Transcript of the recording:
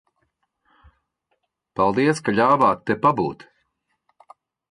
Paldies, ka ļāvāt te pabūt.